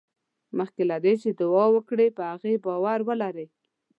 مخکې له دې چې دعا وکړې په هغې باور ولرئ.